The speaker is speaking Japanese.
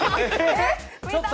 「えっ！？